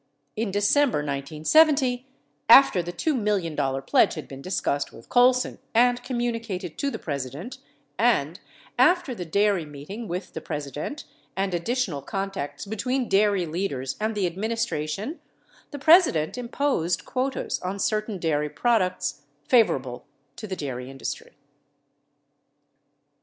In De cember 1970, after the $2 million pledge had been discussed with Colson and communicated to the President, and after the dairy meeting with the President and additional contacts between dairy leaders and the administration, the President imposed quotas on certain dairy prdoucts favorable to the dairy industry.